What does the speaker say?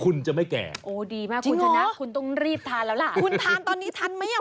คุณจะไม่แก่โอ้ดีมากคุณชนะคุณต้องรีบทานแล้วล่ะคุณทานตอนนี้ทันไหมอ่ะ